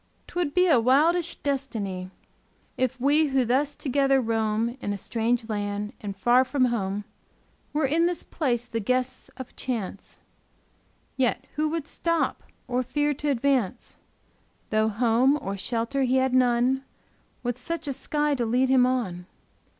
'Twould be a wildish destiny If we who thus together roam In a strange land and far from home Were in this place the guests of chance: Yet who would stop, or fear to advance, Though home or shelter he had none, With such a sky to lead him on?